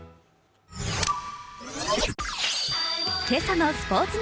今朝のスポーツ